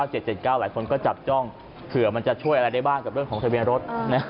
หลายคนก็จับจ้องเผื่อมันจะช่วยอะไรได้บ้างกับเรื่องของทะเบียนรถ